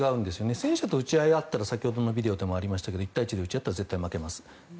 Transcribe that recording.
戦車と撃ち合いあったら先ほどもありましたが１対１で撃ち合ったら絶対負けます。